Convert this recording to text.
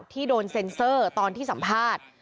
ที่โดนเซ็นเซอร์ตอนที่สัมภาษณ์